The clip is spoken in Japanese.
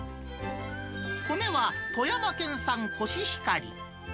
米は富山県産コシヒカリ。